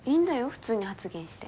普通に発言して。